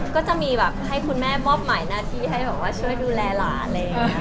ก็จะมีให้คุณแม่มอบใหม่หน้าที่ให้ช่วยดูแลหลาน